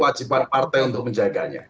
wajiban partai untuk menjaganya